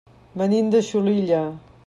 Venim de Xulilla.